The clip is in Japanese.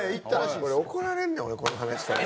俺怒られんねんこの話したら。